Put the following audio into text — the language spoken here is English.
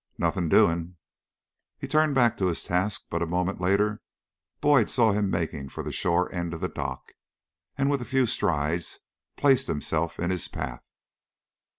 "Nothing doing." He turned back to his task, but a moment later Boyd saw him making for the shore end of the dock, and with a few strides placed himself in his path.